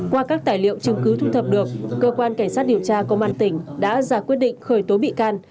qua các tài liệu chứng cứ thu thập được cơ quan cảnh sát điều tra công an tỉnh đã ra quyết định khởi tố bị can